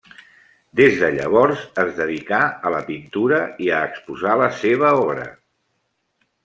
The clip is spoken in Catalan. Des de llavors es dedicà a la pintura i a exposar la seva obra.